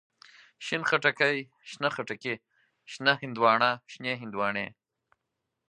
شين خټکی، شنه خټکي، شنه هندواڼه، شنې هندواڼی.